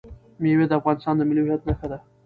مېوې د افغانستان د ملي هویت نښه ده.